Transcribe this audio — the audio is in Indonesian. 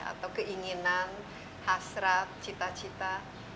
atau keinginan hasrat cita cita